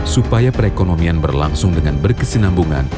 supaya perekonomian berlangsung dengan berkesinambungan